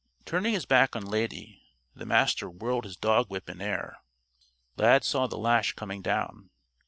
Turning his back on Lady, the Master whirled his dog whip in air. Lad saw the lash coming down.